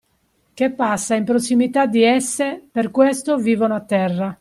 Che passa in prossimità di esse per questo vivono a terra.